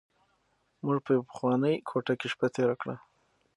موږ په یوه پخوانۍ کوټه کې شپه تېره کړه.